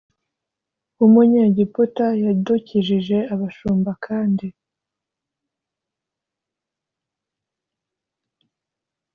w umunyegiputa yadukijije abashumba kandi